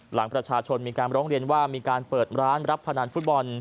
หลังประชาชนมีการร้องเรียนว่ามีการเปิดร้านรับพนันฟุตบอล